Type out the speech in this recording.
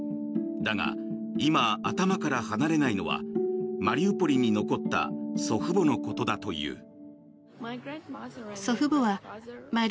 だが、今、頭から離れないのはマリウポリに残った祖父母のことだという。